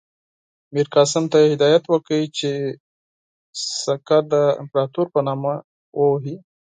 میرقاسم ته یې هدایت ورکړ چې سکه د امپراطور په نامه ووهي.